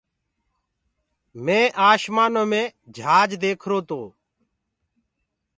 مينٚ آشمآنو مي جھآج ديکرو تو۔